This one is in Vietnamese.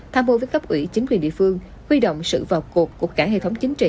tham vô với cấp ủy chính quyền địa phương huy động sự vào cuộc của cả hệ thống chính trị